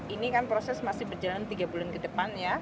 ini kan proses masih berjalan tiga bulan ke depan ya